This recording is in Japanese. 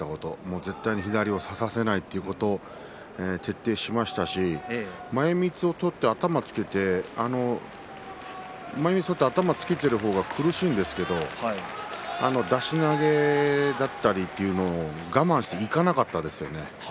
絶対に左を差させないということを徹底しましたし前みつを取って頭をつけた方が苦しいんですけれど出し投げがあったりということを我慢していかなかったですね。